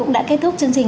nâng cao ý thức cộng đồng